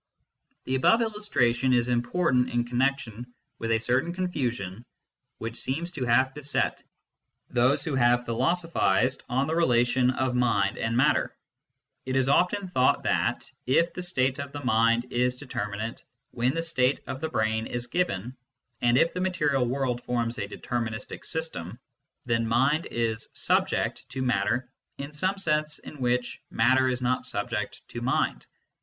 The above illustration is important in connection with a certain confusion which seems to have beset those who have philosophised on the relation of mind and matter It is often thought that, if the state of the mind is deter minate when the state of the brain is given, and if the material world forms a deterministic system, then mind is " subject " to matter in some sense in which matter is not " subject " to mind.